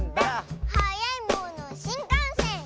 「はやいものしんかんせん！」